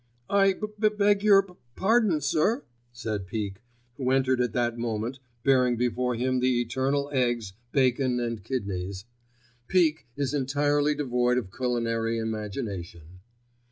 "I b b beg your p p pardon, sir?" said Peake, who entered at that moment bearing before him the eternal eggs, bacon and kidneys. Peake is entirely devoid of culinary imagination.